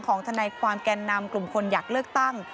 ทนายความแก่นำกลุ่มคนอยากเลือกตั้ง